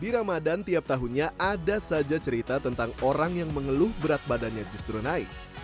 di ramadan tiap tahunnya ada saja cerita tentang orang yang mengeluh berat badannya justru naik